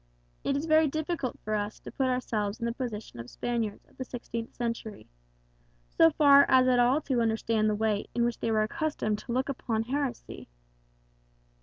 It is very difficult for us to put ourselves in the position of Spaniards of the sixteenth century, so far as at all to understand the way in which they were accustomed to look upon heresy.